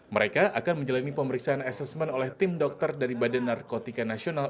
mereka akan menjalani pemeriksaan asesmen oleh tim dokter dari badan narkotika nasional